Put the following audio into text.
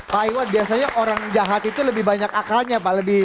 pak iwan biasanya orang jahat itu lebih banyak akalnya pak